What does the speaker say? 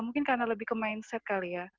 mungkin karena lebih ke mindset kali ya